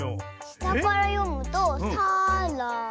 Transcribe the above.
したからよむと「さ・ら・だ」！